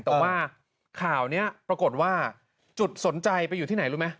แต่ว่าข่าวนี้ปรากฏว่าจุดสนใจไปอยู่ที่ไหนรู้ไหม